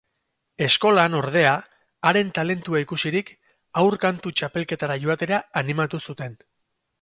Eskolan ordea, haren talentua ikusirik, haur kantu txapelketara joatera animatu zuten.